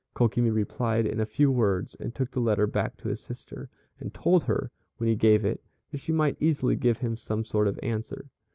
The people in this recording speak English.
Kokimi replied in a few words, and took the letter back to his sister, and told her, when he gave it, that she might easily give him some sort of answer.